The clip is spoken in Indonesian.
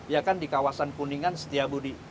ya kan di kawasan kuningan setiabudi